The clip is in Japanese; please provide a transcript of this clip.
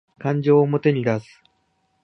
感情を表に出す